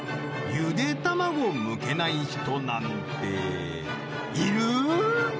ゆで卵をむけない人なんている？